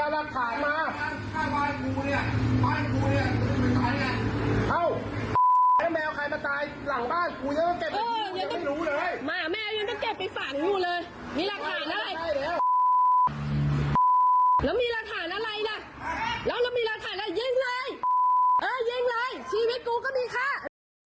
แล้วมีหลักฐานอะไรยิงเลยเออยิงเลยชีวิตกูก็มีค่ะ